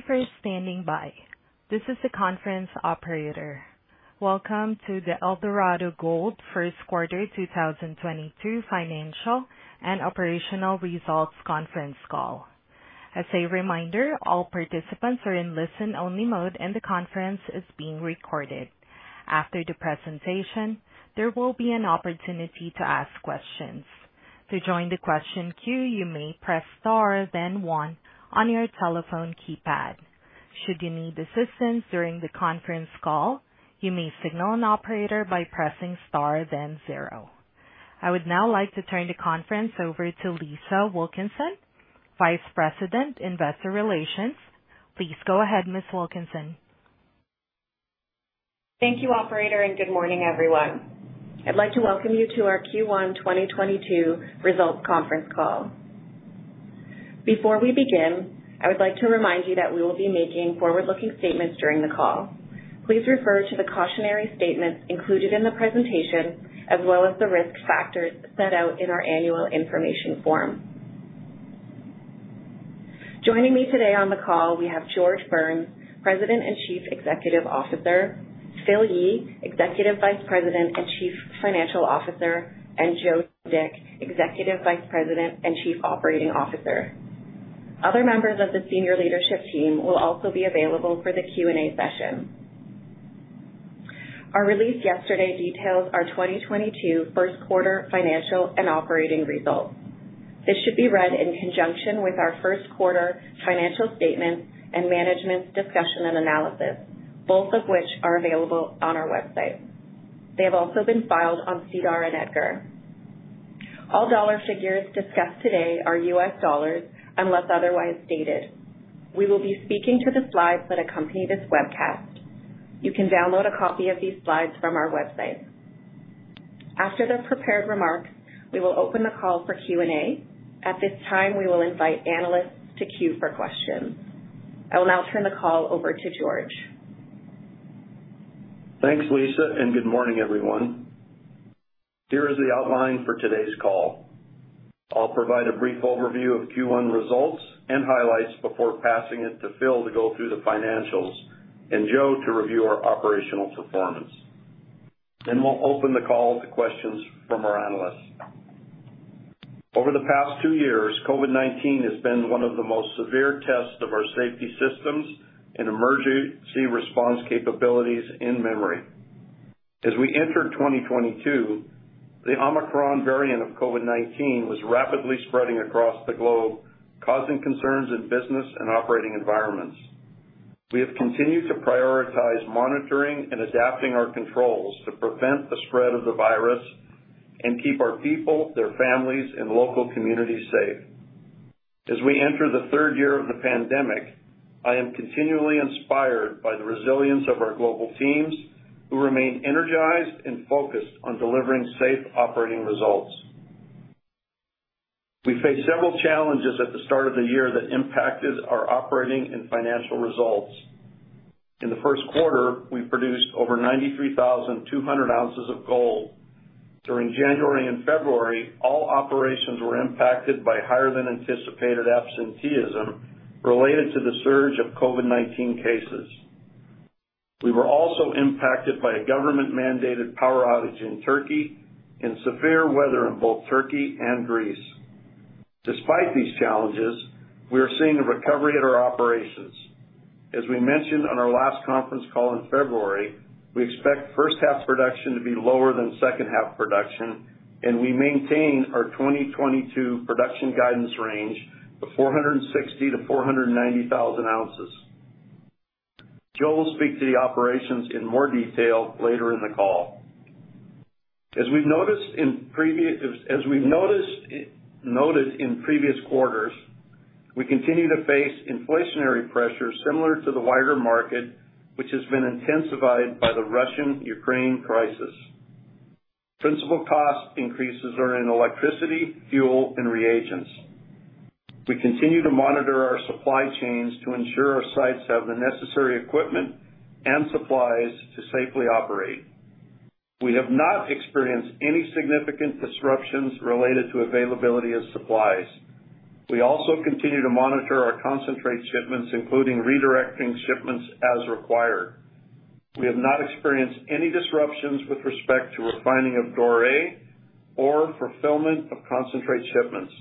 Thank you for standing by. This is the conference operator. Welcome to the Eldorado Gold First Quarter 2022 Financial and Operational Results Conference Call. As a reminder, all participants are in listen-only mode, and the conference is being recorded. After the presentation, there will be an opportunity to ask questions. To join the question queue, you may press star then one on your telephone keypad. Should you need assistance during the conference call, you may signal an operator by pressing star then zero. I would now like to turn the conference over to Lisa Wilkinson, Vice President, Investor Relations. Please go ahead, Ms. Wilkinson. Thank you, operator, and good morning, everyone. I'd like to welcome you to our Q1 2022 results conference call. Before we begin, I would like to remind you that we will be making forward-looking statements during the call. Please refer to the cautionary statements included in the presentation as well as the risk factors set out in our annual information form. Joining me today on the call, we have George Burns, President and Chief Executive Officer, Phil Yee, Executive Vice President and Chief Financial Officer, and Joe Dick, Executive Vice President and Chief Operating Officer. Other members of the senior leadership team will also be available for the Q&A session. Our release yesterday details our 2022 first quarter financial and operating results. This should be read in conjunction with our first quarter financial statements and management's discussion and analysis, both of which are available on our website. They have also been filed on SEDAR and EDGAR. All dollar figures discussed today are U.S. dollars unless otherwise stated. We will be speaking to the slides that accompany this webcast. You can download a copy of these slides from our website. After the prepared remarks, we will open the call for Q&A. At this time, we will invite analysts to queue for questions. I will now turn the call over to George. Thanks, Lisa, and good morning, everyone. Here is the outline for today's call. I'll provide a brief overview of Q1 results and highlights before passing it to Phil to go through the financials and Joe to review our operational performance. Then we'll open the call to questions from our analysts. Over the past two years, COVID-19 has been one of the most severe tests of our safety systems and emergency response capabilities in memory. As we entered 2022, the Omicron variant of COVID-19 was rapidly spreading across the globe, causing concerns in business and operating environments. We have continued to prioritize monitoring and adapting our controls to prevent the spread of the virus and keep our people, their families, and local communities safe. As we enter the third year of the pandemic, I am continually inspired by the resilience of our global teams who remain energized and focused on delivering safe operating results. We faced several challenges at the start of the year that impacted our operating and financial results. In the first quarter, we produced over 93,200 ounces of gold. During January and February, all operations were impacted by higher than anticipated absenteeism related to the surge of COVID-19 cases. We were also impacted by a government-mandated power outage in Turkey and severe weather in both Turkey and Greece. Despite these challenges, we are seeing a recovery at our operations. As we mentioned on our last conference call in February, we expect first half production to be lower than second half production, and we maintain our 2022 production guidance range of 460,000-490,000 ounces. Joe will speak to the operations in more detail later in the call. As we've noted in previous quarters, we continue to face inflationary pressures similar to the wider market, which has been intensified by the Russia-Ukraine crisis. Principal cost increases are in electricity, fuel, and reagents. We continue to monitor our supply chains to ensure our sites have the necessary equipment and supplies to safely operate. We have not experienced any significant disruptions related to availability of supplies. We also continue to monitor our concentrate shipments, including redirecting shipments as required. We have not experienced any disruptions with respect to refining of doré or fulfillment of concentrate shipments.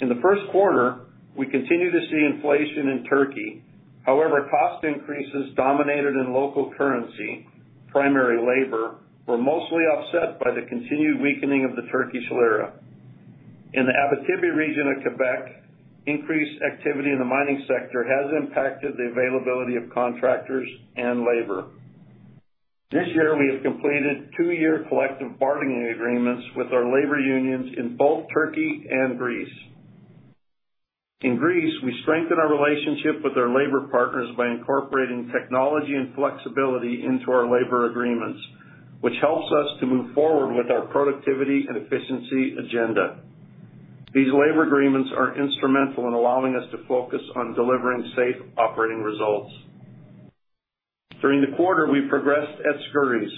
In the first quarter, we continued to see inflation in Turkey. However, cost increases denominated in local currency, primarily labor, were mostly offset by the continued weakening of the Turkish lira. In the Abitibi region of Quebec, increased activity in the mining sector has impacted the availability of contractors and labor. This year, we have completed two-year collective bargaining agreements with our labor unions in both Turkey and Greece. In Greece, we strengthened our relationship with our labor partners by incorporating technology and flexibility into our labor agreements, which helps us to move forward with our productivity and efficiency agenda. These labor agreements are instrumental in allowing us to focus on delivering safe operating results. During the quarter, we progressed at Skouries,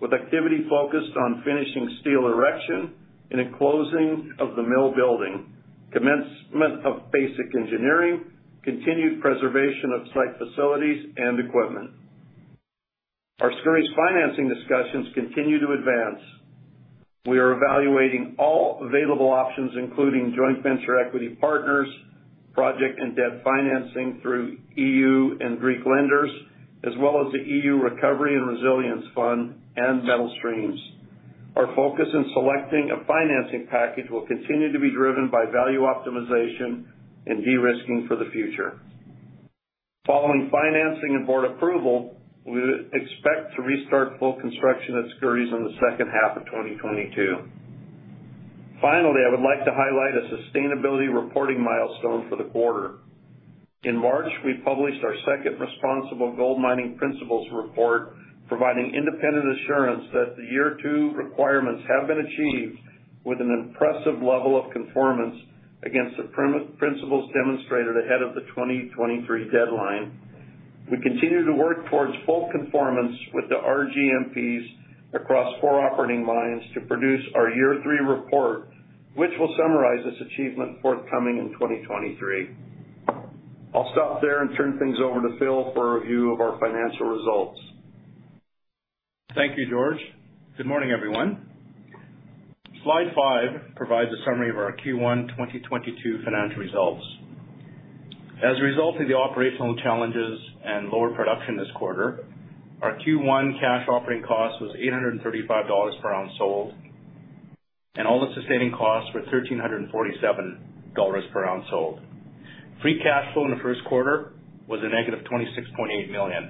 with activity focused on finishing steel erection and enclosing of the mill building, commencement of basic engineering, continued preservation of site facilities and equipment. Our Skouries financing discussions continue to advance. We are evaluating all available options, including joint venture equity partners, project and debt financing through EU and Greek lenders, as well as the EU Recovery and Resilience Facility and metal streams. Our focus in selecting a financing package will continue to be driven by value optimization and de-risking for the future. Following financing and board approval, we expect to restart full construction at Skouries in the second half of 2022. Finally, I would like to highlight a sustainability reporting milestone for the quarter. In March, we published our second Responsible Gold Mining Principles report, providing independent assurance that the year two requirements have been achieved with an impressive level of conformance against the principles demonstrated ahead of the 2023 deadline. We continue to work towards full conformance with the RGMPs across four operating mines to produce our year three report, which will summarize this achievement forthcoming in 2023. I'll stop there and turn things over to Phil for a review of our financial results. Thank you, George. Good morning, everyone. Slide five provides a summary of our Q1 2022 financial results. As a result of the operational challenges and lower production this quarter, our Q1 cash operating costs was $835 per ounce sold, and all-in sustaining costs were $1,347 per ounce sold. Free cash flow in the first quarter was -$26.8 million.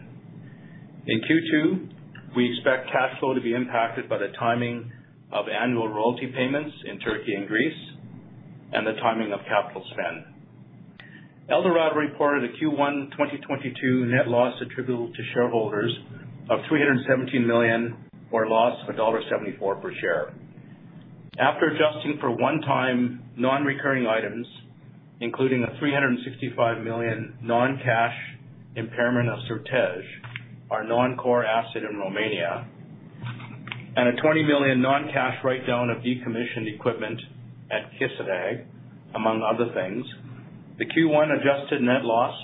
In Q2, we expect cash flow to be impacted by the timing of annual royalty payments in Turkey and Greece and the timing of capital spend. Eldorado reported a Q1 2022 net loss attributable to shareholders of $317 million, or a loss of $1.74 per share. After adjusting for one-time non-recurring items, including a $365 million non-cash impairment of Certej, our non-core asset in Romania, and a $20 million non-cash write-down of decommissioned equipment at Kışladağ, among other things, the Q1 adjusted net loss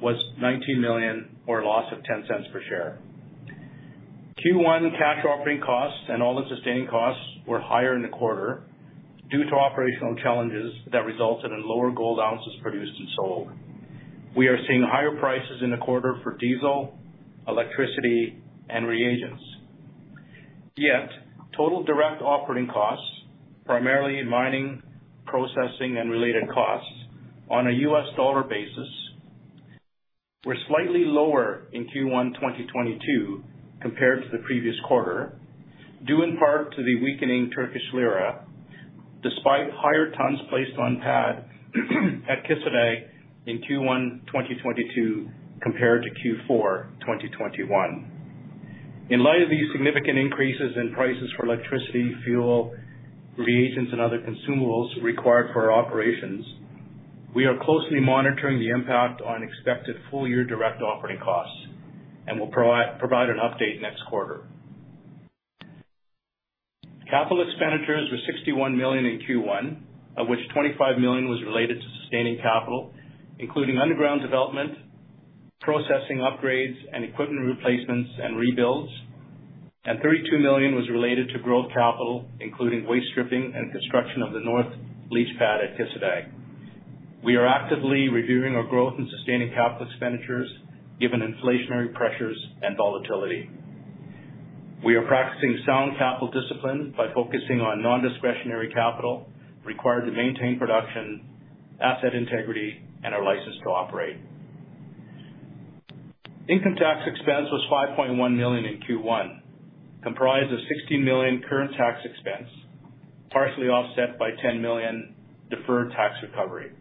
was $19 million, or a loss of $0.10 per share. Q1 cash operating costs and all-in sustaining costs were higher in the quarter due to operational challenges that resulted in lower gold ounces produced and sold. We are seeing higher prices in the quarter for diesel, electricity, and reagents. Yet, total direct operating costs, primarily in mining, processing, and related costs on a U.S. dollar basis, were slightly lower in Q1 2022 compared to the previous quarter, due in part to the weakening Turkish lira despite higher tons placed on pad at Kışladağ in Q1 2022 compared to Q4 2021. In light of these significant increases in prices for electricity, fuel, reagents, and other consumables required for our operations, we are closely monitoring the impact on expected full-year direct operating costs and will provide an update next quarter. Capital expenditures were $61 million in Q1, of which $25 million was related to sustaining capital, including underground development, processing upgrades, and equipment replacements and rebuilds. $32 million was related to growth capital, including waste stripping and construction of the north leach pad at Kışladağ. We are actively reviewing our growth in sustaining capital expenditures given inflationary pressures and volatility. We are practicing sound capital discipline by focusing on non-discretionary capital required to maintain production, asset integrity, and our license to operate. Income tax expense was $5.1 million in Q1, comprised of $16 million current tax expense, partially offset by $10 million deferred tax recovery.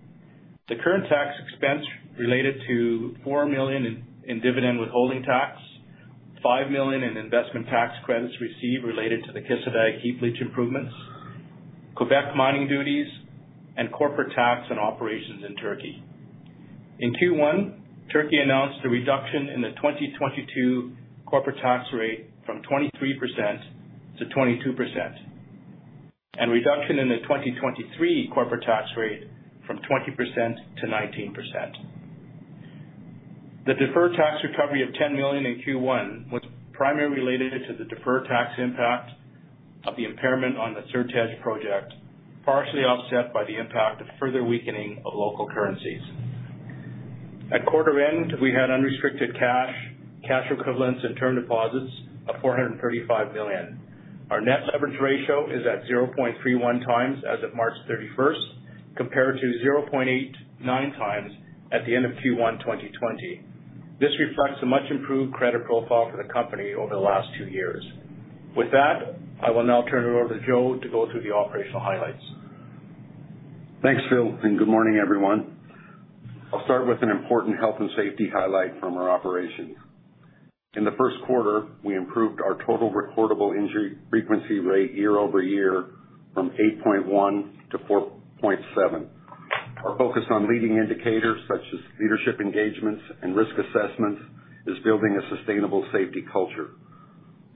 The current tax expense related to $4 million in dividend withholding tax, $5 million in investment tax credits received related to the Kışladağ heap leach improvements, Quebec mining duties, and corporate tax and operations in Turkey. In Q1, Turkey announced a reduction in the 2022 corporate tax rate from 23%-22%, and reduction in the 2023 corporate tax rate from 20%-19%. The deferred tax recovery of $10 million in Q1 was primarily related to the deferred tax impact of the impairment on the Certej project, partially offset by the impact of further weakening of local currencies. At quarter end, we had unrestricted cash equivalents, and term deposits of $435 million. Our net leverage ratio is at 0.31x as of March 31st, compared to 0.89x at the end of Q1 2020. This reflects a much improved credit profile for the company over the last two years. With that, I will now turn it over to Joe to go through the operational highlights. Thanks, Phil, and good morning, everyone. I'll start with an important health and safety highlight from our operations. In the first quarter, we improved our Total Recordable Injury Frequency Rate year-over-year from 8.1-4.7. Our focus on leading indicators such as leadership engagements and risk assessments is building a sustainable safety culture.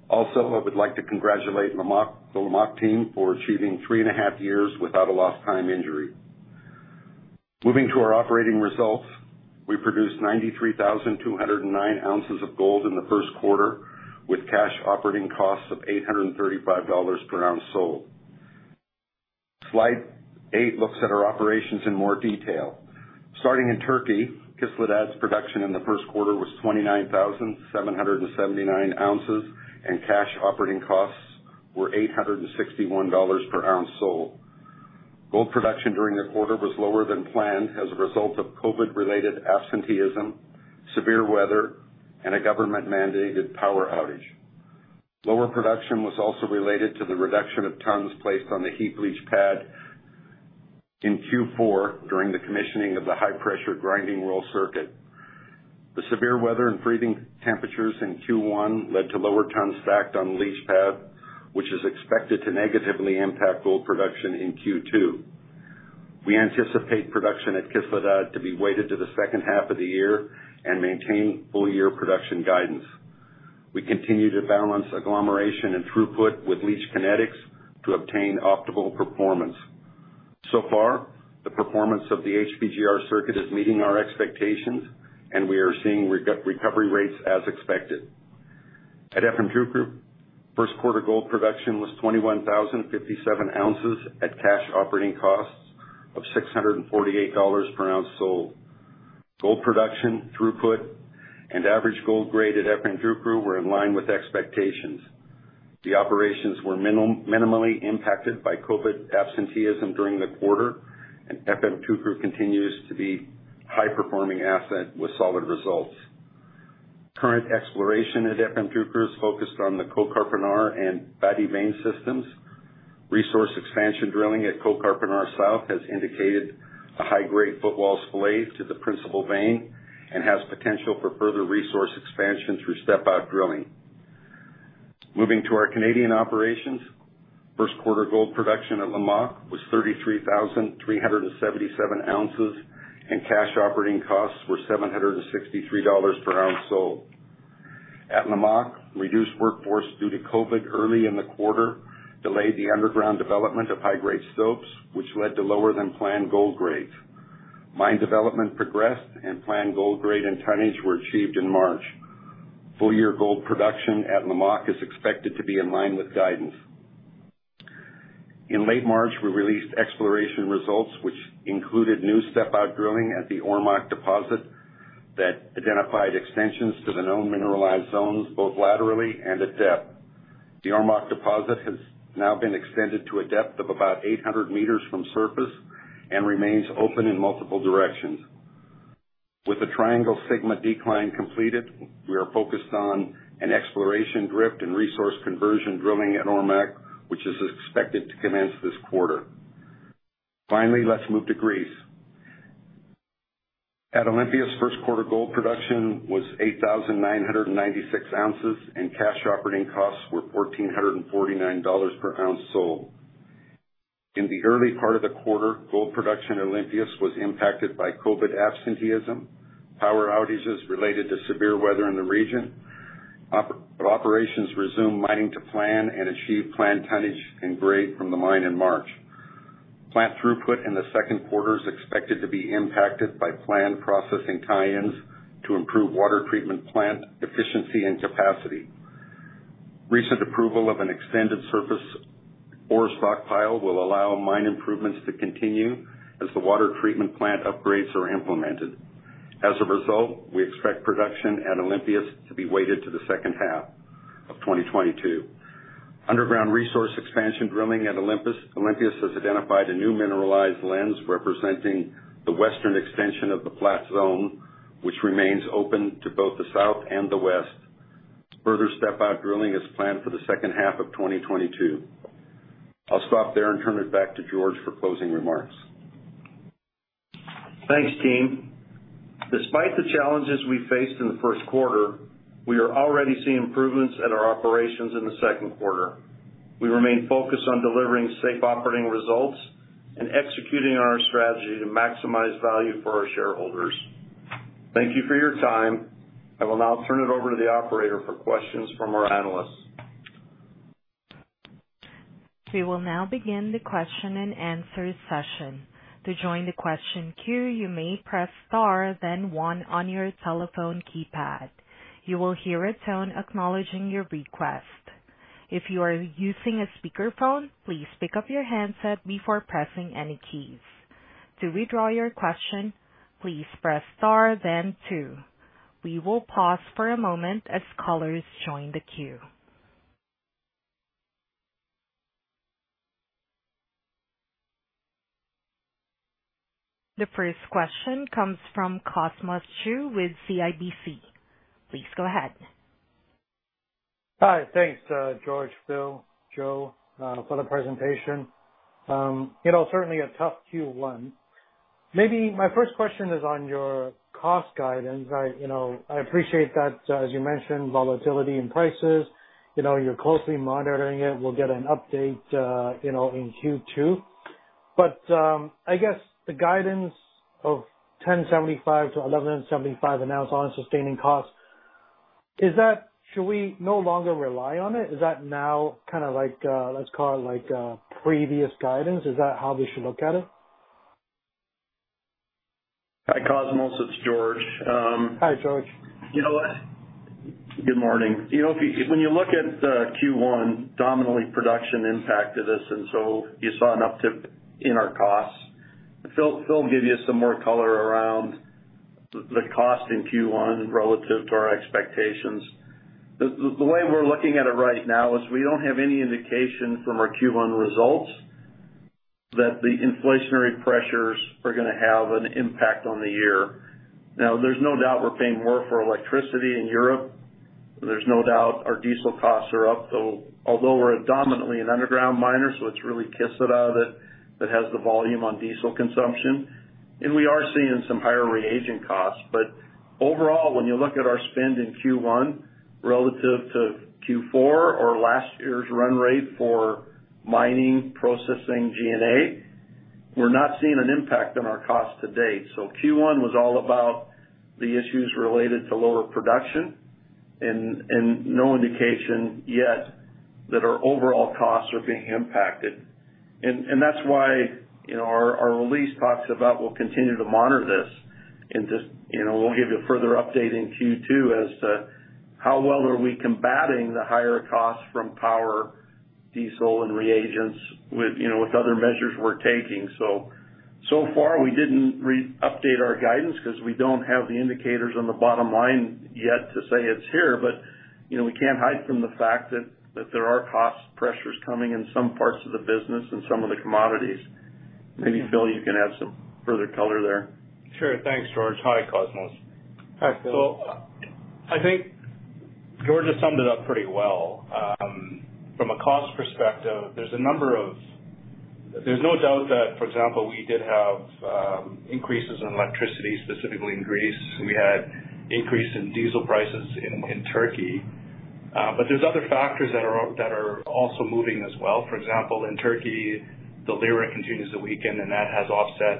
I would like to congratulate Lamaque, the Lamaque team for achieving three and a half years without a lost time injury. Moving to our operating results. We produced 93,209 ounces of gold in the first quarter, with cash operating costs of $835 per ounce sold. Slide eight looks at our operations in more detail. Starting in Turkey, Kışladağ's production in the first quarter was 29,779 ounces, and cash operating costs were $861 per ounce sold. Gold production during the quarter was lower than planned as a result of COVID-related absenteeism, severe weather, and a government-mandated power outage. Lower production was also related to the reduction of tons placed on the heap leach pad in Q4 during the commissioning of the high pressure grinding roll circuit. The severe weather and freezing temperatures in Q1 led to lower tons stacked on the leach pad, which is expected to negatively impact gold production in Q2. We anticipate production at Kışladağ to be weighted to the second half of the year and maintain full-year production guidance. We continue to balance agglomeration and throughput with leach kinetics to obtain optimal performance. So far, the performance of the HPGR circuit is meeting our expectations, and we are seeing recovery rates as expected. At Efemçukuru, first quarter gold production was 21,057 ounces at cash operating costs of $648 per ounce sold. Gold production throughput and average gold grade at Efemçukuru were in line with expectations. The operations were minimally impacted by COVID absenteeism during the quarter, and Efemçukuru continues to be high-performing asset with solid results. Current exploration at Efemçukuru is focused on the Kocakarpinar and Fatih vein systems. Resource expansion drilling at Kocakarpinar South has indicated a high-grade footwall splay to the principal vein and has potential for further resource expansion through step out drilling. Moving to our Canadian operations. First quarter gold production at Lamaque was 33,377 ounces, and cash operating costs were $763 per ounce sold. At Lamaque, reduced workforce due to COVID early in the quarter delayed the underground development of high-grade stopes, which led to lower than planned gold grades. Mine development progressed and planned gold grade and tonnage were achieved in March. Full year gold production at Lamaque is expected to be in line with guidance. In late March, we released exploration results, which included new step out drilling at the Ormaque deposit that identified extensions to the known mineralized zones, both laterally and at depth. The Ormaque deposit has now been extended to a depth of about 800 meters from surface and remains open in multiple directions. With the Triangle-Sigma decline completed, we are focused on an exploration drift and resource conversion drilling at Ormaque, which is expected to commence this quarter. Finally, let's move to Greece. At Olympias, first quarter gold production was 8,996 ounces, and cash operating costs were $1,449 per ounce sold. In the early part of the quarter, gold production at Olympias was impacted by COVID absenteeism, power outages related to severe weather in the region. Operations resumed mining to plan and achieved planned tonnage and grade from the mine in March. Plant throughput in the second quarter is expected to be impacted by planned processing tie-ins to improve water treatment plant efficiency and capacity. Recent approval of an extended surface ore stockpile will allow mine improvements to continue as the water treatment plant upgrades are implemented. As a result, we expect production at Olympias to be weighted to the second half of 2022. Underground resource expansion drilling at Olympias has identified a new mineralized lens representing the western extension of the flat zone, which remains open to both the south and the west. Further step out drilling is planned for the second half of 2022. I'll stop there and turn it back to George for closing remarks. Thanks, team. Despite the challenges we faced in the first quarter, we are already seeing improvements at our operations in the second quarter. We remain focused on delivering safe operating results and executing on our strategy to maximize value for our shareholders. Thank you for your time. I will now turn it over to the operator for questions from our analysts. We will now begin the question and answer session. To join the question queue, you may press Star, then one on your telephone keypad. You will hear a tone acknowledging your request. If you are using a speakerphone, please pick up your handset before pressing any keys. To withdraw your question, please press Star then two. We will pause for a moment as callers join the queue. The first question comes from Cosmos Chiu with CIBC. Please go ahead. Hi. Thanks, George, Phil, Joe, for the presentation. You know, certainly a tough Q1. Maybe my first question is on your cost guidance. You know, I appreciate that, as you mentioned, volatility in prices. You know, you're closely monitoring it. We'll get an update, you know, in Q2. I guess the guidance of $1,075-$1,175 announced on sustaining costs, is that? Should we no longer rely on it? Is that now kind of like, let's call it, like, previous guidance? Is that how we should look at it? Hi, Cosmos, it's George. Hi, George. You know what? Good morning. When you look at Q1, predominantly production impacted us, and so you saw an uptick in our costs. Phil gave you some more color around the cost in Q1 relative to our expectations. The way we're looking at it right now is we don't have any indication from our Q1 results that the inflationary pressures are gonna have an impact on the year. Now, there's no doubt we're paying more for electricity in Europe. There's no doubt our diesel costs are up, although we're predominantly an underground miner, so it's really Kışladağ that has the volume on diesel consumption. We are seeing some higher reagent costs. Overall, when you look at our spend in Q1 relative to Q4 or last year's run rate for mining, processing, G&A, we're not seeing an impact on our costs to date. Q1 was all about the issues related to lower production and no indication yet that our overall costs are being impacted. That's why, you know, our release talks about we'll continue to monitor this. Just, you know, we'll give you further update in Q2 as to how well are we combating the higher costs from power, diesel and reagents with, you know, with other measures we're taking. So far we didn't update our guidance because we don't have the indicators on the bottom line yet to say it's here. You know, we can't hide from the fact that there are cost pressures coming in some parts of the business and some of the commodities. Maybe, Phil, you can add some further color there. Sure. Thanks, George. Hi, Cosmos. Hi, Phil. I think George has summed it up pretty well. From a cost perspective, there's no doubt that, for example, we did have increases in electricity, specifically in Greece. We had increase in diesel prices in Turkey. But there's other factors that are also moving as well. For example, in Turkey, the lira continues to weaken and that has offset.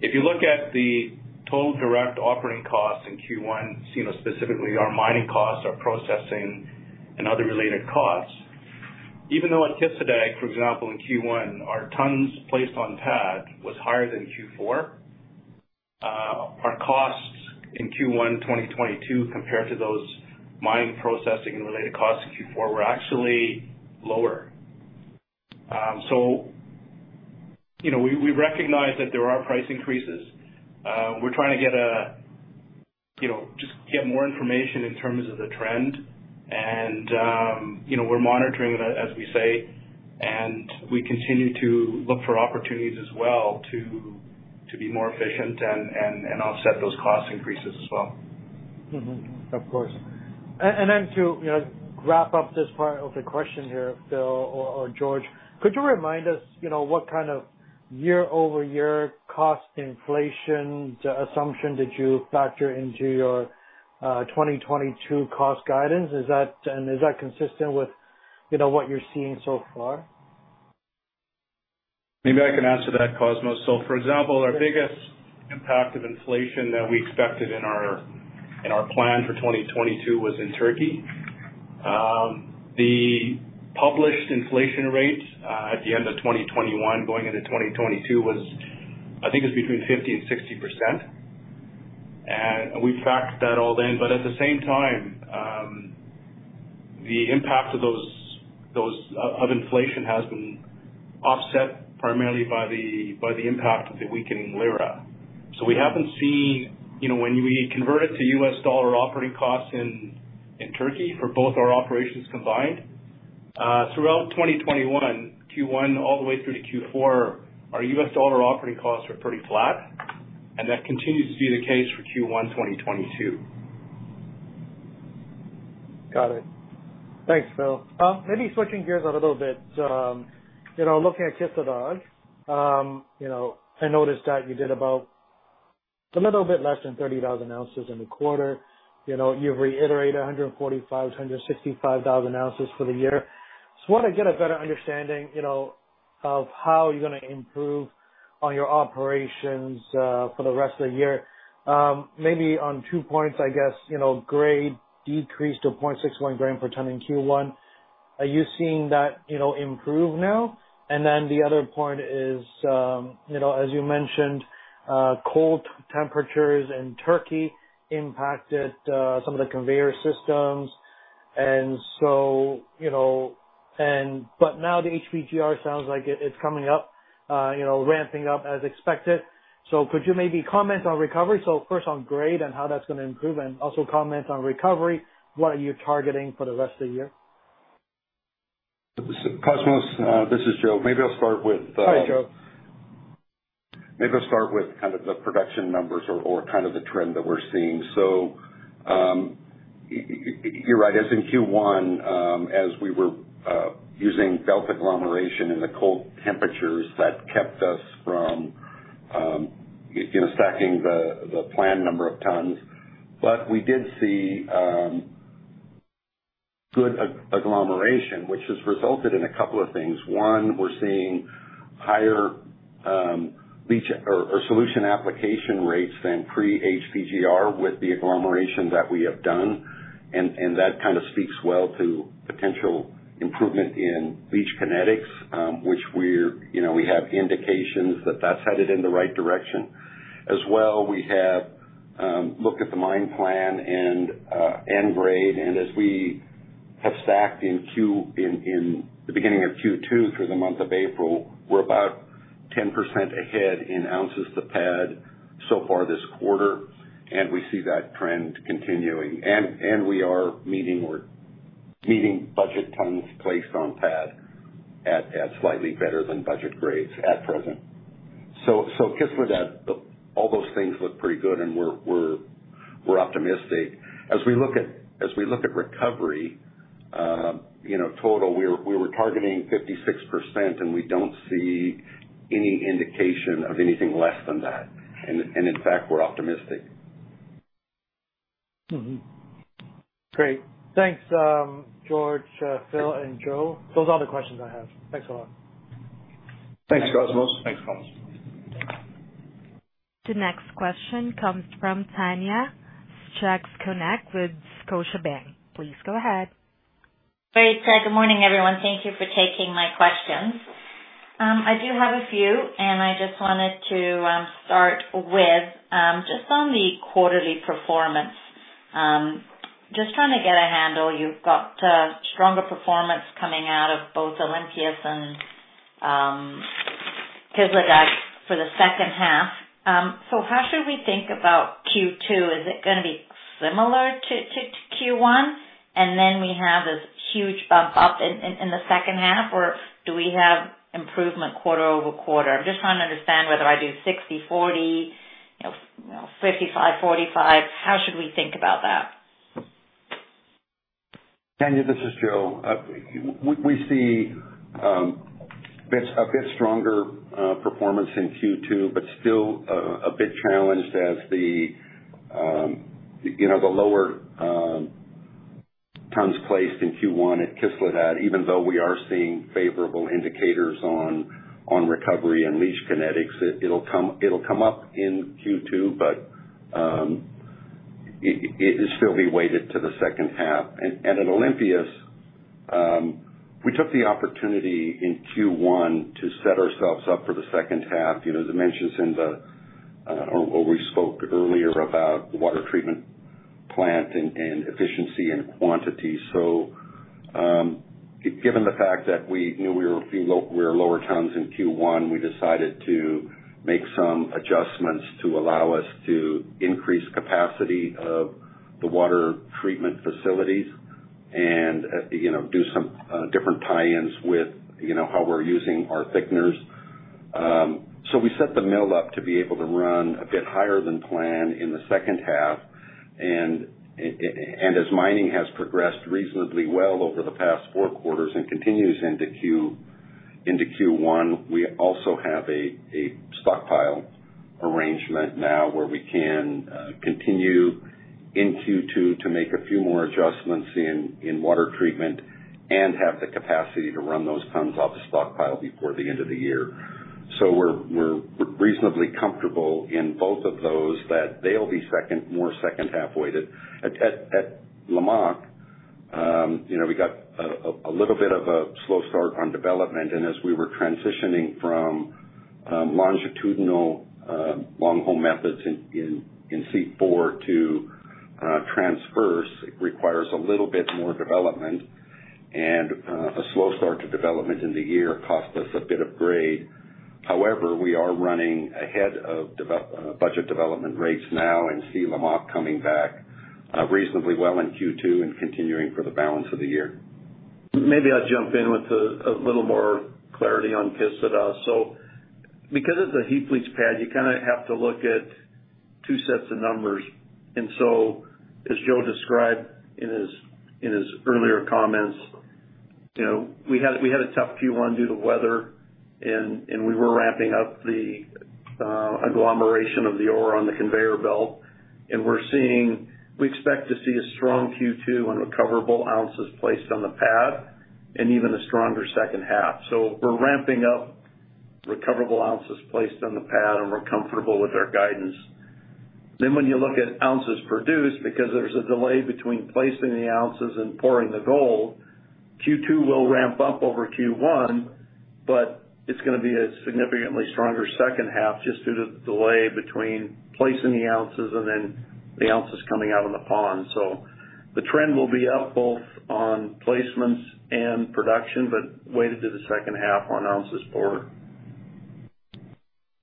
If you look at the total direct operating costs in Q1, you know, specifically our mining costs, our processing and other related costs, even though at Kışladağ, for example, in Q1, our tons placed on PAD was higher than Q4, our costs in Q1 2022 compared to those mining, processing and related costs in Q4 were actually lower. You know, we recognize that there are price increases. We're trying to get a, you know, just get more information in terms of the trend. We're monitoring it, as we say, and we continue to look for opportunities as well to be more efficient and offset those cost increases as well. Of course. Then to you know wrap up this part of the question here, Phil or George, could you remind us, you know, what kind of year-over-year cost inflation assumption did you factor into your 2022 cost guidance? Is that consistent with you know what you're seeing so far? Maybe I can answer that, Cosmos. For example, our biggest impact of inflation that we expected in our plan for 2022 was in Turkey. The published inflation rate at the end of 2021 going into 2022 was, I think, between 50% and 60%. We've factored that all in. At the same time, the impact of those of inflation has been offset primarily by the impact of the weakening lira. We haven't seen. You know, when we convert it to U.S. dollar operating costs in Turkey for both our operations combined, throughout 2021, Q1 all the way through to Q4, our U.S. dollar operating costs were pretty flat, and that continues to be the case for Q1 2022. Got it. Thanks, Phil. Maybe switching gears a little bit, you know, looking at Kışladağ, you know, I noticed that you did about a little bit less than 30,000 ounces in the quarter. You know, you've reiterated 145,000-165,000 ounces for the year. Just wanna get a better understanding, you know, of how you're gonna improve on your operations, for the rest of the year. Maybe on two points, I guess, you know, grade decreased to 0.61 gram per ton in Q1. Are you seeing that, you know, improve now? And then the other point is, you know, as you mentioned, cold temperatures in Turkey impacted some of the conveyor systems. But now the HPGR sounds like it's coming up, you know, ramping up as expected. Could you maybe comment on recovery, so first on grade and how that's gonna improve, and also comment on recovery, what are you targeting for the rest of the year? Cosmos, this is Joe. Maybe I'll start with, Hi, Joe. Maybe I'll start with kind of the production numbers or kind of the trend that we're seeing. You're right. As in Q1, as we were using belt agglomeration in the cold temperatures, that kept us from you know, stacking the planned number of tons. But we did see. Good agglomeration, which has resulted in a couple of things. One, we're seeing higher leach solution application rates than pre-HPGR with the agglomeration that we have done. That kind of speaks well to potential improvement in leach kinetics, which we're, you know, we have indications that that's headed in the right direction. As well, we have looked at the mine plan and grade. As we have stacked in the beginning of Q2 through the month of April, we're about 10% ahead in ounces to pad so far this quarter, and we see that trend continuing. We are meeting budget tons placed on pad at slightly better than budget grades at present. Kışladağ, all those things look pretty good and we're optimistic. As we look at recovery, you know, total we were targeting 56%, and we don't see any indication of anything less than that. In fact, we're optimistic. Great. Thanks, George, Phil, and Joe. Those are all the questions I have. Thanks a lot. Thanks, Cosmos. Thanks, Cosmos. The next question comes from Tanya Jakusconek with Scotiabank. Please go ahead. Great. Good morning, everyone. Thank you for taking my questions. I do have a few, and I just wanted to start with just on the quarterly performance. Just trying to get a handle. You've got stronger performance coming out of both Olympias and Kışladağ for the second half. So how should we think about Q2? Is it gonna be similar to Q1, and then we have this huge bump up in the second half? Or do we have improvement quarter-over-quarter? I'm just trying to understand whether I do 60/40, you know, 55/45. How should we think about that? Tanya, this is Joe. We see a bit stronger performance in Q2, but still a bit challenged as the lower tons placed in Q1 at Kışladağ, even though we are seeing favorable indicators on recovery and leach kinetics. It'll come up in Q2, but it'll still be weighted to the second half. At Olympias, we took the opportunity in Q1 to set ourselves up for the second half. As we spoke earlier about water treatment plant and efficiency and quantity. Given the fact that we knew we were lower tons in Q1, we decided to make some adjustments to allow us to increase capacity of the water treatment facilities and, you know, do some different tie-ins with, you know, how we're using our thickeners. We set the mill up to be able to run a bit higher than planned in the second half. As mining has progressed reasonably well over the past four quarters and continues into Q1, we also have a stockpile arrangement now where we can continue in Q2 to make a few more adjustments in water treatment and have the capacity to run those tons off the stockpile before the end of the year. We're reasonably comfortable in both of those that they'll be second half, more second half-weighted. At Lamaque, you know, we got a little bit of a slow start on development. As we were transitioning from longitudinal longhole methods in C4 to transverse, it requires a little bit more development, and a slow start to development in the year cost us a bit of grade. However, we are running ahead of budget development rates now and see Lamaque coming back reasonably well in Q2 and continuing for the balance of the year. Maybe I'll jump in with a little more clarity on Kışladağ. Because it's a heap leach pad, you kinda have to look at two sets of numbers. As Joe described in his earlier comments, you know, we had a tough Q1 due to weather and we were ramping up the agglomeration of the ore on the conveyor belt. We expect to see a strong Q2 on recoverable ounces placed on the pad and even a stronger second half. We're ramping up recoverable ounces placed on the pad, and we're comfortable with our guidance. When you look at ounces produced, because there's a delay between placing the ounces and pouring the gold, Q2 will ramp up over Q1, but it's gonna be a significantly stronger second half just due to the delay between placing the ounces and then the ounces coming out of the pond. The trend will be up both on placements and production, but weighted to the second half on ounces poured.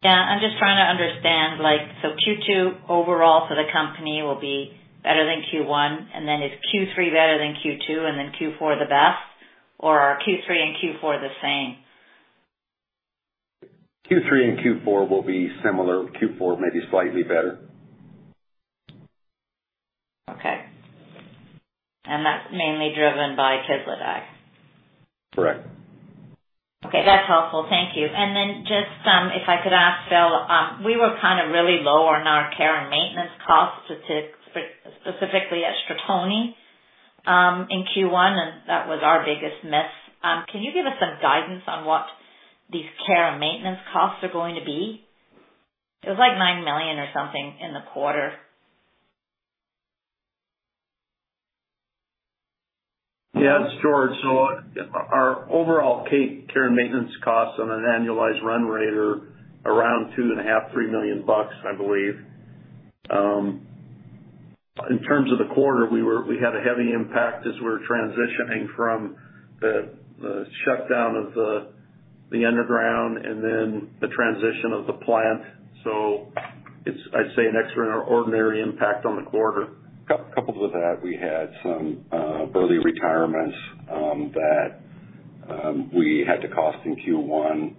Yeah. I'm just trying to understand, like, so Q2 overall for the company will be better than Q1. Is Q3 better than Q2, and then Q4 the best? Or are Q3 and Q4 the same? Q3 and Q4 will be similar. Q4 may be slightly better. Okay. That's mainly driven by Kışladağ. Correct. Okay, that's helpful. Thank you. If I could ask Phil, we were kind of really low on our care and maintenance costs, specifically at Stratoni, in Q1, and that was our biggest miss. Can you give us some guidance on what these care and maintenance costs are going to be? It was like $9 million or something in the quarter. Yeah, it's George. Our overall care and maintenance costs on an annualized run rate are around $2.5 million-$3 million, I believe. In terms of the quarter, we had a heavy impact as we're transitioning from the shutdown of the underground and then the transition of the plant. It's, I'd say, an extraordinary impact on the quarter. Coupled with that, we had some early retirements that we had to cost in Q1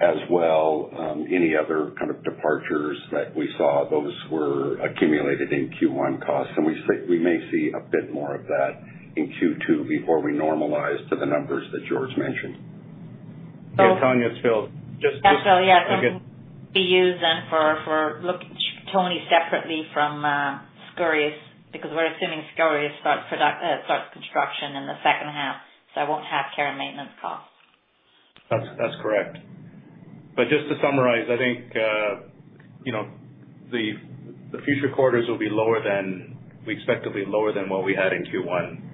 as well. Any other kind of departures that we saw, those were accumulated in Q1 costs, and we may see a bit more of that in Q2 before we normalize to the numbers that George mentioned. So- Yeah, Tanya, it's Phil. Yeah, Phil. Yeah. We'll be looking at Stratoni separately from Skouries, because we're assuming Skouries starts construction in the second half. It won't have care and maintenance costs. That's correct. Just to summarize, I think you know, the future quarters will be lower than we expect it to be lower than what we had in Q1.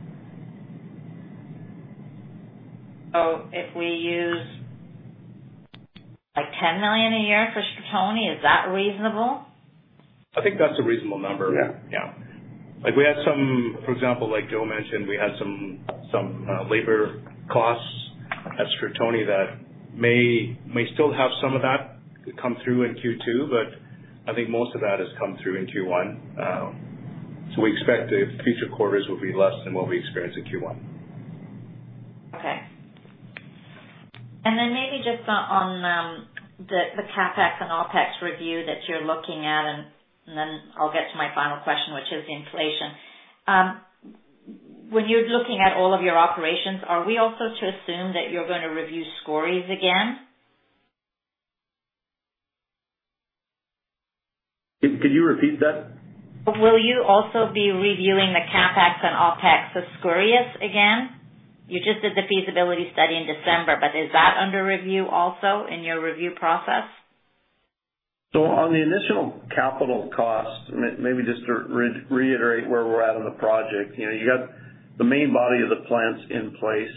If we use, like, $10 million a year for Stratoni, is that reasonable? I think that's a reasonable number. Yeah. Yeah. For example, like Joe mentioned, we had some labor costs at Stratoni that may still have some of that come through in Q2, but I think most of that has come through in Q1. We expect the future quarters will be less than what we experienced in Q1. Okay. Maybe just on the CapEx and OpEx review that you're looking at, and then I'll get to my final question, which is inflation. When you're looking at all of your operations, are we also to assume that you're gonna review Skouries again? Could you repeat that? Will you also be reviewing the CapEx and OpEx of Skouries again? You just did the feasibility study in December, but is that under review also in your review process? On the initial capital cost, maybe just to reiterate where we're at on the project. You know, you got the main body of the plants in place.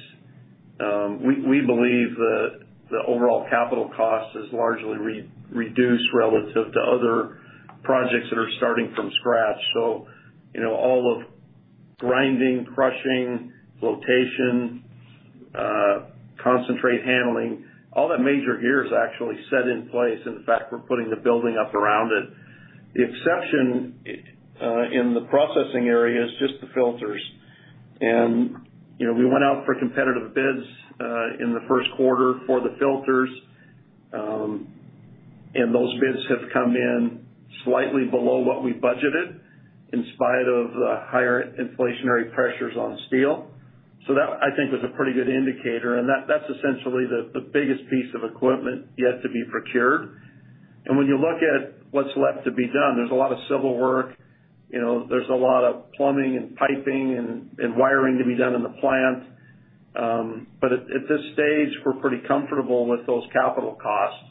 We believe that the overall capital cost is largely reduced relative to other projects that are starting from scratch. You know, all of grinding, crushing, flotation, concentrate handling, all that major gear is actually set in place. In fact, we're putting the building up around it. The exception in the processing area is just the filters. You know, we went out for competitive bids in the first quarter for the filters, and those bids have come in slightly below what we budgeted in spite of the higher inflationary pressures on steel. That, I think, was a pretty good indicator, and that's essentially the biggest piece of equipment yet to be procured. When you look at what's left to be done, there's a lot of civil work, you know, there's a lot of plumbing and piping and wiring to be done in the plant. But at this stage, we're pretty comfortable with those capital costs.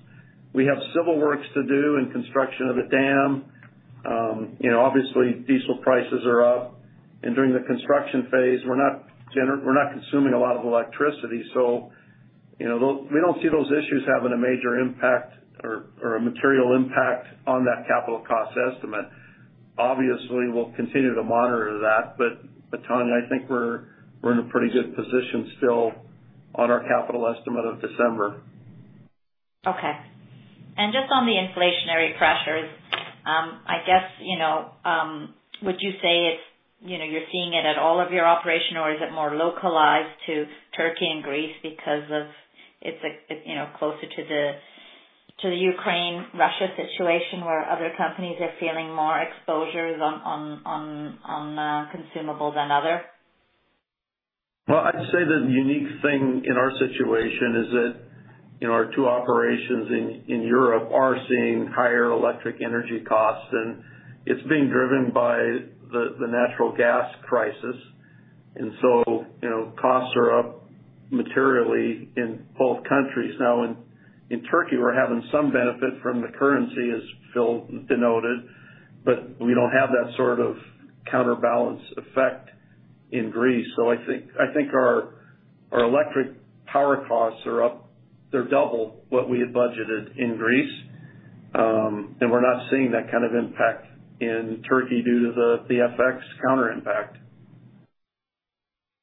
We have civil works to do and construction of a dam. You know, obviously diesel prices are up. During the construction phase, we're not consuming a lot of electricity. So, you know, those we don't see those issues having a major impact or a material impact on that capital cost estimate. Obviously, we'll continue to monitor that, but Tanya, I think we're in a pretty good position still on our capital estimate of December. Okay. Just on the inflationary pressures, I guess, you know, would you say it's, you know, you're seeing it at all of your operation, or is it more localized to Turkey and Greece because it's, like, you know, closer to the Ukraine-Russia situation, where other companies are feeling more exposures on consumables than other? Well, I'd say the unique thing in our situation is that, you know, our two operations in Europe are seeing higher electric energy costs, and it's being driven by the natural gas crisis. You know, costs are up materially in both countries. Now in Turkey, we're having some benefit from the currency, as Phil denoted, but we don't have that sort of counterbalance effect in Greece. I think our electric power costs are up. They're double what we had budgeted in Greece, and we're not seeing that kind of impact in Turkey due to the FX counter impact.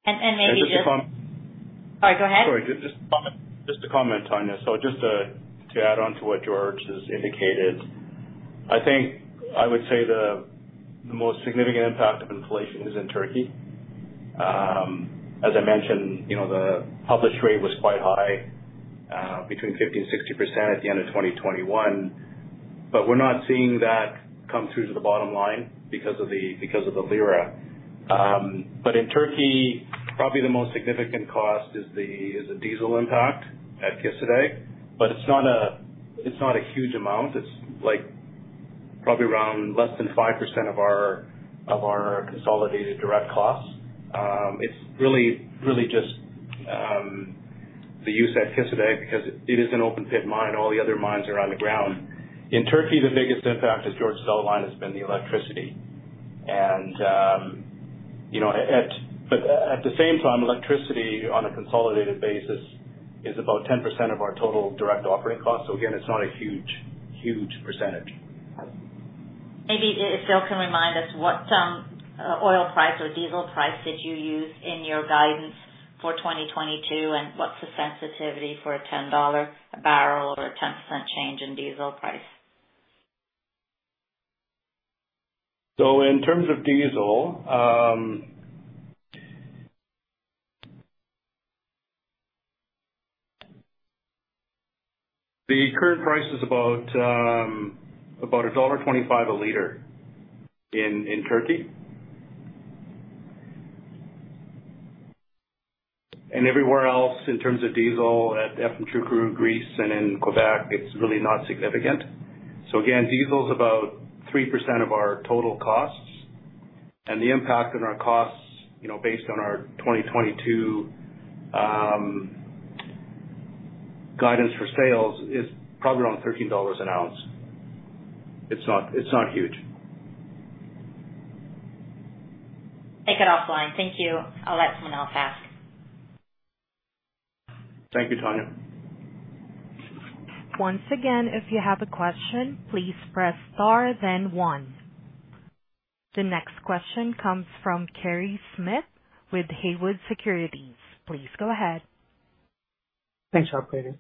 Maybe just. And just to com- Sorry, go ahead. Sorry. Just to comment, Tanya. Just to add on to what George has indicated, I think I would say the most significant impact of inflation is in Turkey. As I mentioned, you know, the published rate was quite high, between 50%-60% at the end of 2021, but we're not seeing that come through to the bottom line because of the lira. In Turkey, probably the most significant cost is the diesel impact at Kışladağ. It's not a huge amount. It's, like, probably around less than 5% of our consolidated direct costs. It's really just the use at Kışladağ because it is an open pit mine. All the other mines are on the ground. In Turkey, the biggest impact, as George outlined, has been the electricity. At the same time, electricity on a consolidated basis is about 10% of our total direct operating costs. Again, it's not a huge percentage. Maybe if Phil can remind us what oil price or diesel price did you use in your guidance for 2022, and what's the sensitivity for a $10 a barrel or a 10% change in diesel price? In terms of diesel, the current price is about $1.25 a liter in Turkey. Everywhere else in terms of diesel at Efemçukuru, Greece, and in Quebec, it's really not significant. Again, diesel is about 3% of our total costs. The impact on our costs, you know, based on our 2022 guidance for sales is probably around $13 an ounce. It's not huge. Take it offline. Thank you. I'll let someone else ask. Thank you, Tanya. Once again, if you have a question, please press star then one. The next question comes from Kerry Smith with Haywood Securities. Please go ahead. Thanks, operator.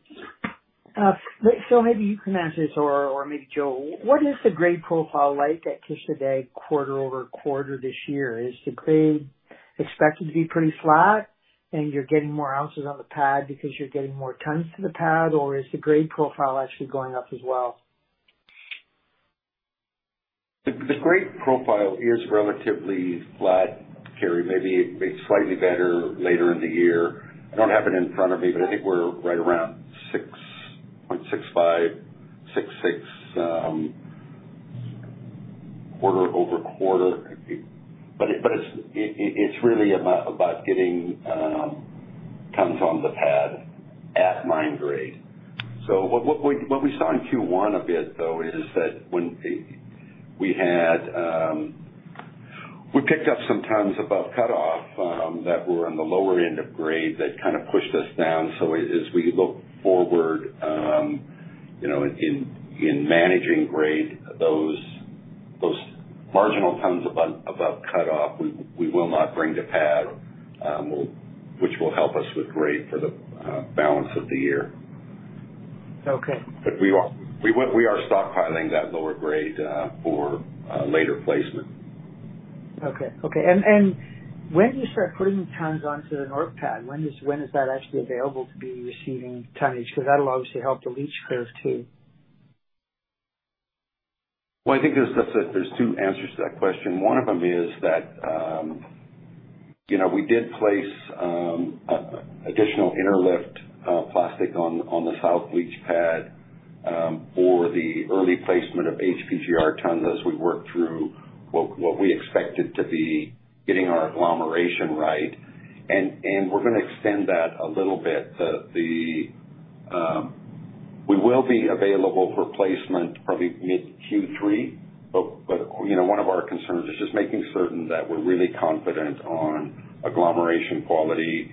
Phil, maybe you can answer this or maybe Joe. What is the grade profile like at Kışladağ quarter-over-quarter this year? Is the grade expected to be pretty flat and you're getting more ounces on the pad because you're getting more tons to the pad, or is the grade profile actually going up as well? The grade profile is relatively flat, Kerry. Maybe it's slightly better later in the year. I don't have it in front of me, but I think we're right around 6.65, 6.6 quarter-over-quarter. It's really about getting tons on the pad at mine grade. What we saw in Q1 though is that when we had we picked up some tons above cutoff that were in the lower end of grade that kind of pushed us down. As we look forward, you know, in managing grade, those marginal tons above cutoff, we will not bring to pad, which will help us with grade for the balance of the year. Okay. We are stockpiling that lower grade for later placement. Okay. When do you start putting the tons onto the north pad? When is that actually available to be receiving tonnage? Because that'll obviously help the leach curve, too. Well, I think there's two answers to that question. One of them is that, you know, we did place additional inner liner plastic on the south leach pad for the early placement of HPGR tonnage as we work through what we expected to be getting our agglomeration right. We're gonna extend that a little bit. We will be available for placement probably mid Q3. You know, one of our concerns is just making certain that we're really confident on agglomeration quality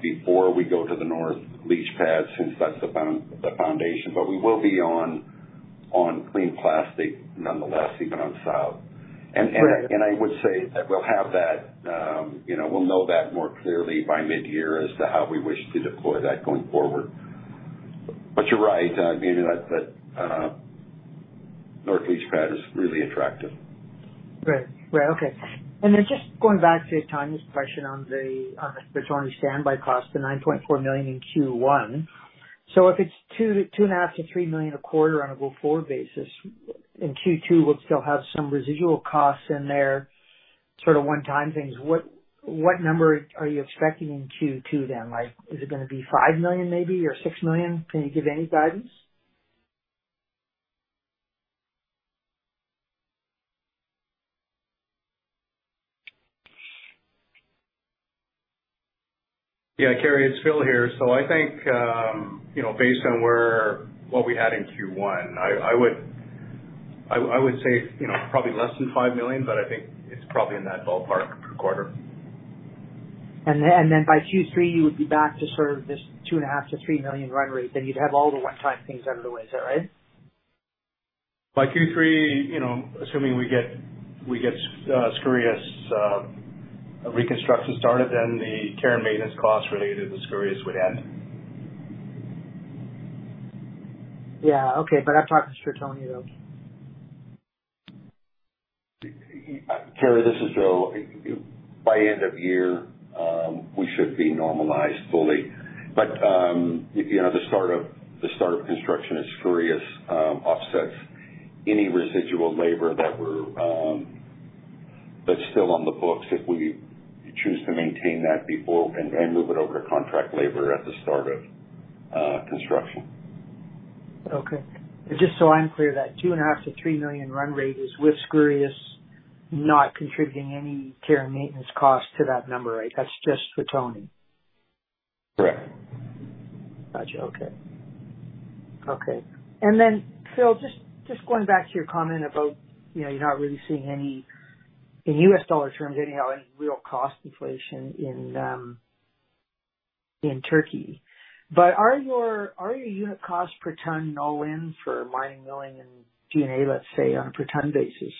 before we go to the north leach pad, since that's the foundation. We will be on clean plastic nonetheless, even on south. Great. I would say that we'll have that, you know, we'll know that more clearly by mid-year as to how we wish to deploy that going forward. You're right, meaning that north leach pad is really attractive. Great. Right. Okay. Just going back to Tanya's question on the Stratoni standby cost, the $9.4 million in Q1. If it's $2 million-$2.5 million-$3 million a quarter on a go-forward basis, in Q2, we'll still have some residual costs in there, sort of one-time things. What number are you expecting in Q2 then? Like, is it gonna be $5 million maybe or $6 million? Can you give any guidance? Yeah, Kerry, it's Phil here. I think, you know, based on what we had in Q1, I would say, you know, probably less than $5 million, but I think it's probably in that ballpark per quarter. By Q3, you would be back to sort of this $2.5 million-$3 million run rate, then you'd have all the one-time things out of the way. Is that right? By Q3, you know, assuming we get Skouries reconstruction started, then the care and maintenance costs related to Skouries would end. Yeah. Okay. I'm talking Stratoni, though. Kerry, this is Joe Dick. By end of year, we should be normalized fully. You know, the start of construction at Skouries offsets any residual labor that's still on the books if we choose to maintain that before and move it over to contract labor at the start of construction. Okay. Just so I'm clear, that $2.5 million-$3 million run rate is with Skouries not contributing any care and maintenance costs to that number, right? That's just for Stratoni. Correct. Gotcha. Okay. Phil, just going back to your comment about, you know, you're not really seeing any in U.S. dollar terms anyhow, any real cost inflation in Turkey. Are your unit costs per ton all in for mining, milling and G&A, let's say, on a per ton basis?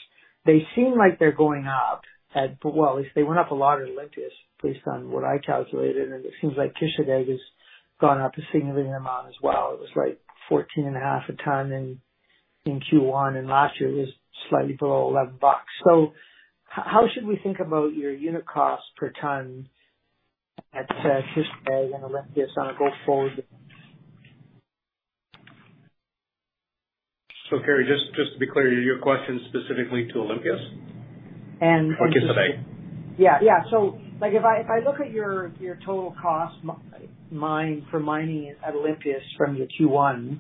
They seem like they're going up. Well, at least they went up a lot at Olympias based on what I calculated, and it seems like Kışladağ has gone up a significant amount as well. It was like $14.5 a ton in Q1, and last year it was slightly below $11. So how should we think about your unit cost per ton at Kışladağ and Olympias on a go-forward? Kerry, just to be clear, your question's specifically to Olympias? And- Kışladağ. Like, if I look at your total mine cost for mining at Olympias from the Q1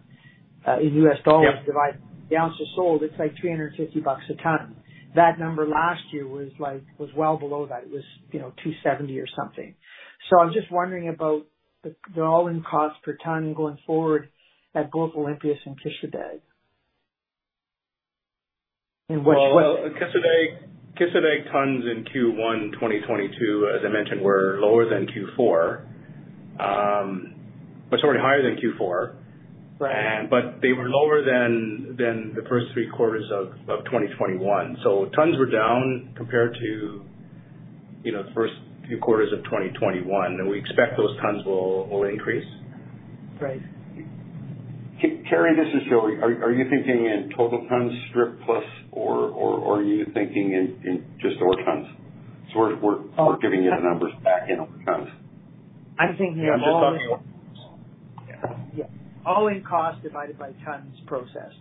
in U.S. dollars. Yeah. Divide the ounces sold, it's like $350 a ton. That number last year was like well below that. It was, you know, $270 or something. I'm just wondering about the all-in cost per ton going forward at both Olympias and Kışladağ. In which way Well, Kışladağ tons in Q1 2022, as I mentioned, were lower than Q4. Sorry, higher than Q4. Right. They were lower than the first three quarters of 2021. Tons were down compared to, you know, the first few quarters of 2021, and we expect those tons will increase. Right. Kerry, this is Joe. Are you thinking in total tons strip plus or are you thinking in just ore tons? We're giving you the numbers back in ore tons. I'm thinking in all- Yeah, I'm just talking about tons. Yeah. All-in cost divided by tons processed,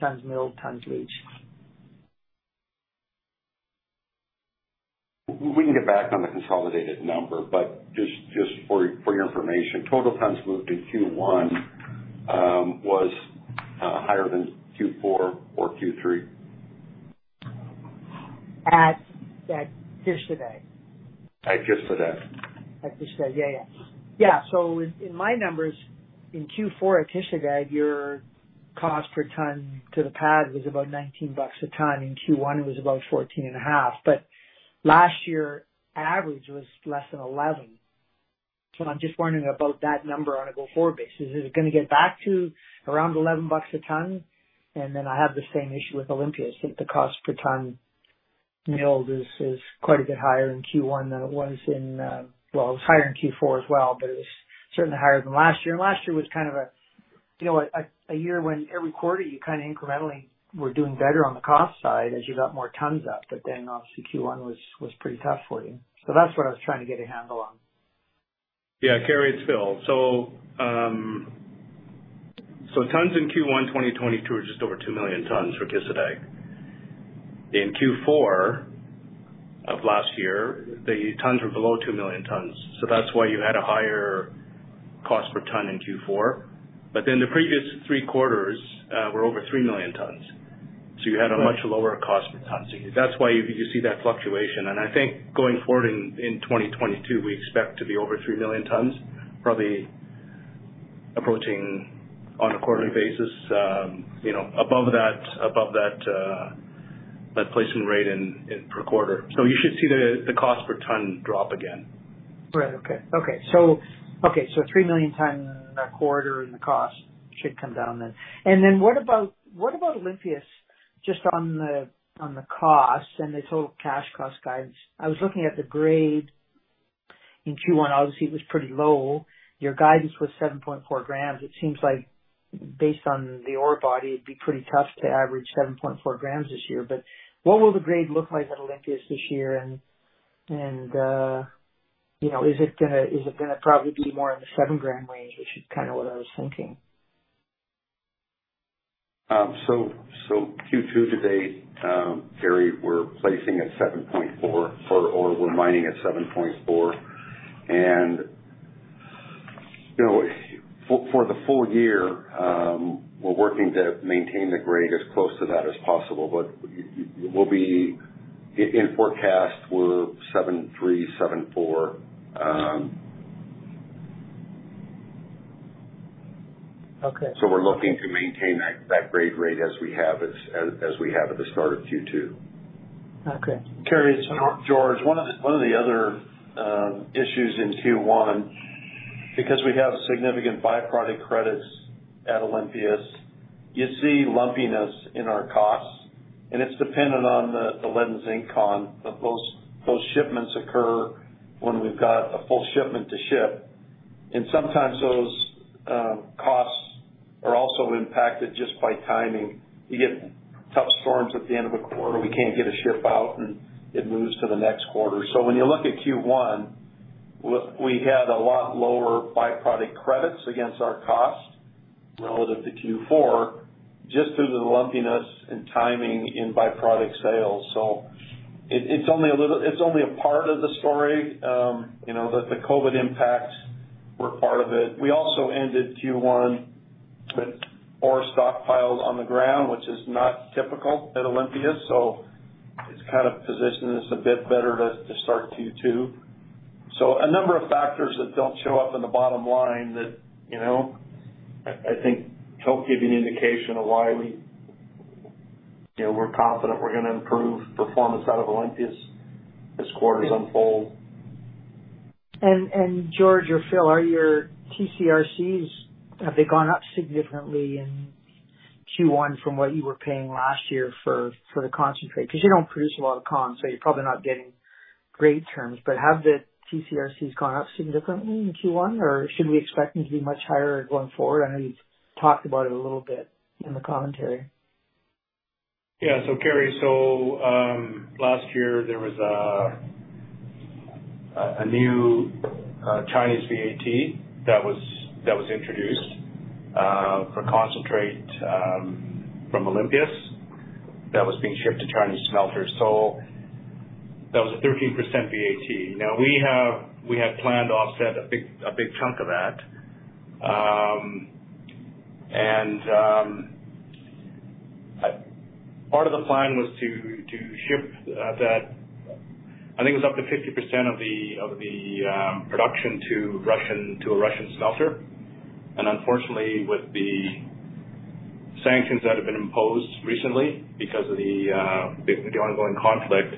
tons milled, tons leached. We can get back on the consolidated number, but just for your information, total tons moved in Q1 was higher than Q4 or Q3. At Kışladağ. At Kışladağ. At Kışladağ. Yeah. In my numbers, in Q4 at Kışladağ, your cost per ton to the pad was about $19 a ton. In Q1, it was about $14.5. Last year, average was less than $11. I'm just wondering about that number on a go-forward basis. Is it gonna get back to around $11 a ton? Then I have the same issue with Olympias. I think the cost per ton milled is quite a bit higher in Q1 than it was. Well, it was higher in Q4 as well, but it was certainly higher than last year. Last year was kind of a, you know, a year when every quarter you kinda incrementally were doing better on the cost side as you got more tons up. Obviously Q1 was pretty tough for you. That's what I was trying to get a handle on. Kerry, it's Phil. Tons in Q1 2022 are just over 2 million tons for Kışladağ. In Q4 of last year, the tons were below 2 million tons. That's why you had a higher cost per ton in Q4. But then the previous three quarters were over 3 million tons. You had a much lower cost per ton. That's why you see that fluctuation. I think going forward in 2022, we expect to be over 3 million tons, probably approaching on a quarterly basis, you know, above that placing rate per quarter. You should see the cost per ton drop again. Okay, so 3 million tons per quarter and the cost should come down then. What about Olympias just on the cost and the total cash cost guidance? I was looking at the grade in Q1. Obviously, it was pretty low. Your guidance was 7.4 grams. It seems like based on the ore body it'd be pretty tough to average 7.4 grams this year. What will the grade look like at Olympias this year? You know, is it gonna probably be more in the 7-gram range, which is kinda what I was thinking. Q2 to date, Kerry, we're placing at 7.4, or we're mining at 7.4. You know, for the full year, we're working to maintain the grade as close to that as possible, but we'll be in forecast, we're 7.3, 7.4. Okay. We're looking to maintain that grade rate as we have at the start of Q2. Okay. Kerry, it's George. One of the other issues in Q1, because we have significant byproduct credits at Olympias, you see lumpiness in our costs, and it's dependent on the lead and zinc con. Those shipments occur when we've got a full shipment to ship. Sometimes those costs Are also impacted just by timing. You get tough storms at the end of a quarter, we can't get a ship out, and it moves to the next quarter. When you look at Q1, we had a lot lower byproduct credits against our cost relative to Q4, just due to the lumpiness and timing in byproduct sales. It's only a part of the story, you know, that the COVID impacts were part of it. We also ended Q1 with more stockpiles on the ground, which is not typical at Olympias. It's kind of positioned us a bit better to start Q2. A number of factors that don't show up in the bottom line that, you know, I think help give you an indication of why we, you know, we're confident we're gonna improve performance out of Olympias as quarters unfold. George or Phil, are your TC/RCs, have they gone up significantly in Q1 from what you were paying last year for the concentrate? Because you don't produce a lot of con, so you're probably not getting great terms. But have the TC/RCs gone up significantly in Q1, or should we expect them to be much higher going forward? I know you've talked about it a little bit in the commentary. Kerry, last year there was a new Chinese VAT that was introduced for concentrate from Olympias that was being shipped to Chinese smelters. That was a 13% VAT. We had planned to offset a big chunk of that. Part of the plan was to ship I think it was up to 50% of the production to a Russian smelter. Unfortunately, with the sanctions that have been imposed recently because of the ongoing conflict,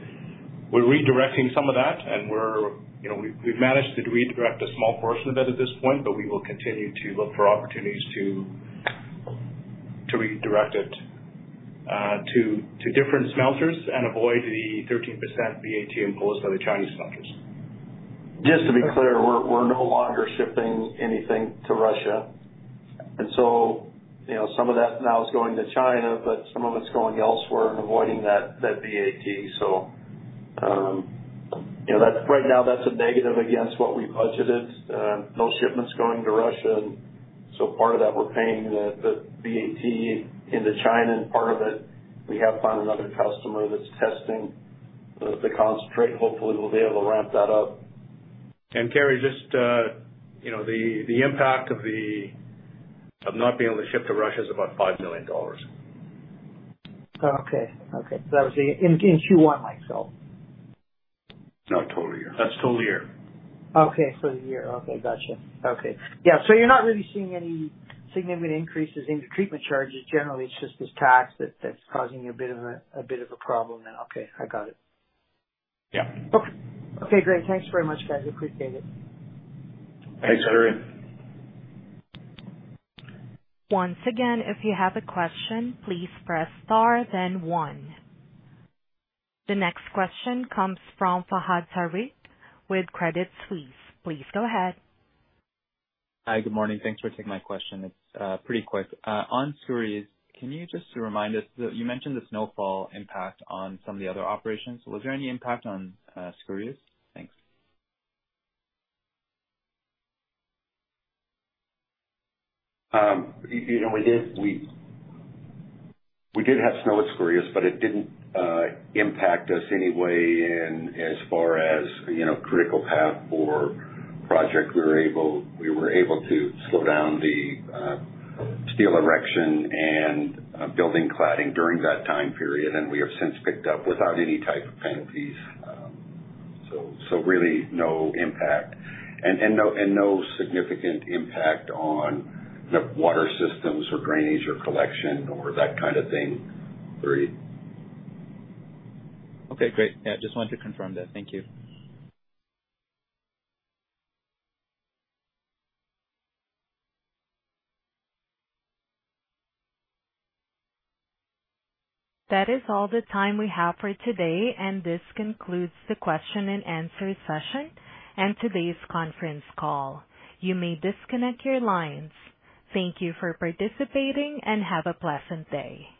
we're redirecting some of that and, you know, we've managed to redirect a small portion of it at this point, but we will continue to look for opportunities to redirect it to different smelters and avoid the 13% VAT imposed by the Chinese smelters. Just to be clear, we're no longer shipping anything to Russia. You know, some of that now is going to China, but some of it's going elsewhere and avoiding that VAT. You know, that's right now a negative against what we budgeted. No shipments going to Russia. Part of that, we're paying the VAT into China, and part of it, we have found another customer that's testing the concentrate. Hopefully we'll be able to ramp that up. Kerry just, you know, the impact of not being able to ship to Russia is about $5 million. Okay. That was in Q1, right? No, total year. That's total year. Okay. Gotcha. Okay. Yeah. You're not really seeing any significant increases in your treatment charges. Generally, it's just this tax that's causing you a bit of a problem then. Okay, I got it. Yeah. Okay. Okay, great. Thanks very much, guys. Appreciate it. Thanks, Kerry. Once again, if you have a question, please press star then one. The next question comes from Fahad Tariq with Credit Suisse. Please go ahead. Hi, good morning. Thanks for taking my question. It's pretty quick. On Skouries, can you just remind us. You mentioned the snowfall impact on some of the other operations. Was there any impact on Skouries? Thanks. You know, we did have snow at Skouries, but it didn't impact us any way in as far as, you know, critical path or project. We were able to slow down the steel erection and building cladding during that time period, and we have since picked up without any type of penalties. So really no impact. No significant impact on the water systems or drainage or collection or that kind of thing for Skouries. Okay, great. Yeah, just wanted to confirm that. Thank you. That is all the time we have for today, and this concludes the question and answer session and today's conference call. You may disconnect your lines. Thank you for participating, and have a pleasant day.